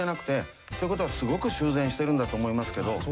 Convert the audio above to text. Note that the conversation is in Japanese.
ということはすごく修繕してるんだと思いますけど。